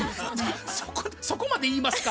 そこまで言いますか？